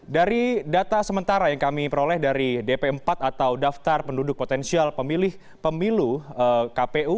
dari data sementara yang kami peroleh dari dp empat atau daftar penduduk potensial pemilih pemilu kpu